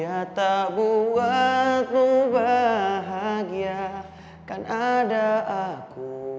selamat menikmati mbak